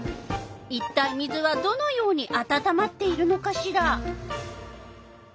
いったい水はどのようにあたたまっているのかしら。